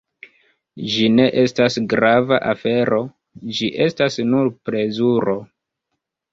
Ĝi ne estas grava afero, ĝi estas nur plezuro.